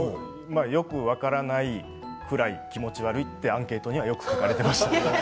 よく分からないぐらい気持ち悪いってアンケートにはよく書かれていました。